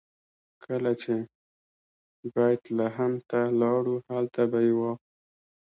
کله چې بیت لحم ته لاړو هلته به یې واخلو.